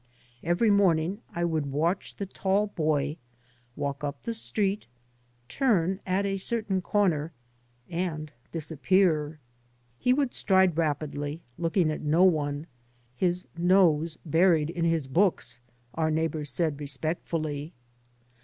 Every morning I would watch the tall boy walk up the street, turn at a certain corner, and disappear. He would stride rapidly, looking at no one, his " nose burled in his books," our neighbours said respectfully.